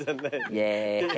イエーイ。